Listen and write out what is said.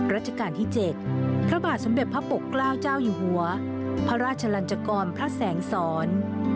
ราชการที่๗พระบาทสมเด็จพระปกเกล้าเจ้าอยู่หัวพระราชลันจกรพระแสงสอน